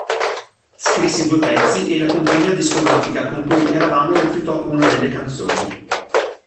Scrissi due pezzi e la compagnia discografica con cui eravamo rifiutò una delle canzoni.